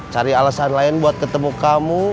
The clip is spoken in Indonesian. cari alasan lain buat ketemu kamu